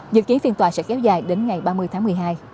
dự kiến phiên tòa sẽ kéo dài đến ngày ba mươi tháng một mươi hai